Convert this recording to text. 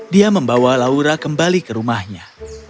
dia membawa laura kembali ke rumahnya